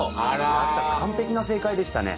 また完璧な正解でしたね。